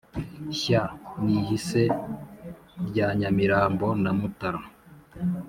shya nihise rya nyamirambo na mutara